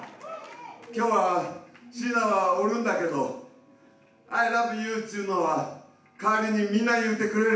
今日はシーナはおるんだけどアイラブユーっちのは代わりにみんなが言うてくれる？